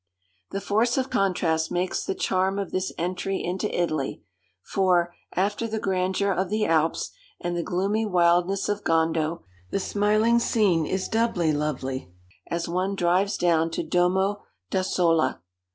The force of contrast makes the charm of this entry into Italy; for, after the grandeur of the Alps and the gloomy wildness of Gondo, the smiling scene is doubly lovely as one drives down to Domo d'Ossola.